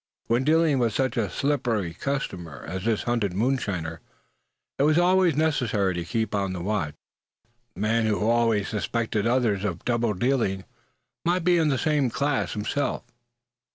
When dealing with such a slippery customer as this hunted moonshiner, it was always necessary to keep on the watch. The man who always suspected others of double dealing might be in the same class himself.